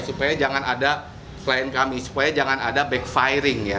supaya jangan ada klien kami supaya jangan ada backfiring ya